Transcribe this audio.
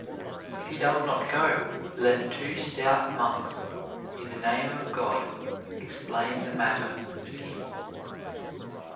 If he does not go, let two stout monks, in the name of God, explain the matter to him.